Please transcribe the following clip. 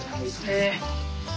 え。